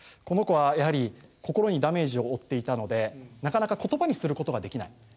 この子はやはり心にダメージを負っていたのでなかなか言葉にすることができない。